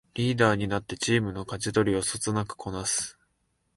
リーダーになってチームのかじ取りをそつなくこなす